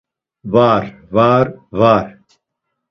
Va, var, var.